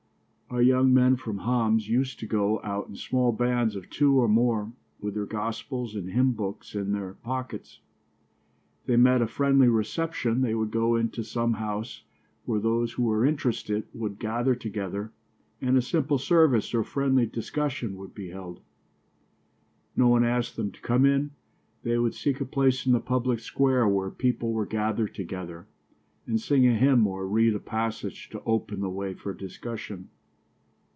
Our young men from Homs used to go out in small bands of two or more, with their gospels and hymn books in their pockets. If they met a friendly reception, they would go into some house, where those who were interested would gather together and a simple service or friendly discussion would be held. If no one asked them to come in, they would seek a place in the public square where people were gathered together, and sing a hymn or read a passage to open the way for discussion.